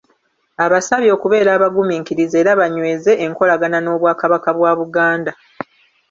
Abasabye okubeera abaguminkiriza era banyweze enkolagana n'Obwakabaka bwa Buganda.